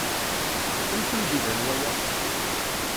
Amek i m-d-iban waya?